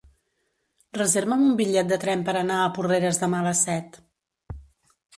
Reserva'm un bitllet de tren per anar a Porreres demà a les set.